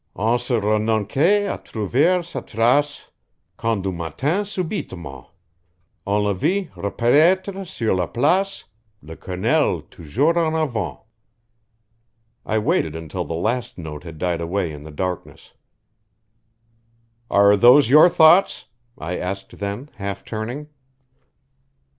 "On se r'noncait a r'trouver sa trace, Quand un matin subitement, On le vit r'paraitre sur la place, L'Colonel toujours en avant." I waited until the last note had died away in the darkness. "Are those your thoughts?" I asked then, half turning.